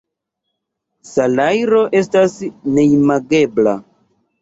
Salajro estas neimagebla.